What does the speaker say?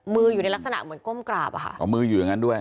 อยู่ในลักษณะเหมือนก้มกราบอะค่ะเอามืออยู่อย่างนั้นด้วย